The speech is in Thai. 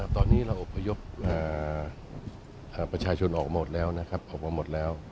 ตอนนี้เราอบพยพประชาชนออกหมดแล้วนะครับออกมาหมดแล้ว